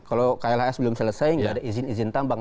kalau klhs belum selesai nggak ada izin izin tambang